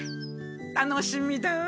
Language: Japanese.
楽しみだわ。